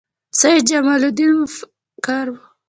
سید جمال الدین مفکر و